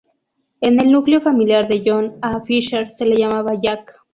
En el núcleo familiar a John A. Fisher se le llamaba "Jack".